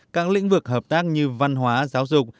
các lĩnh vực hợp tác như văn hóa giáo dục